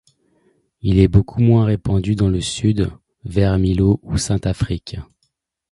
Il est beaucoup moins répandu dans le sud vers Millau ou Saint-Affrique.